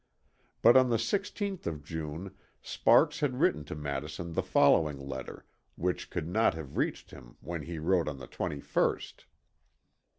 But on the 16th of June Sparks had written to Madison the following letter which could not have reached him when he wrote on the 21st.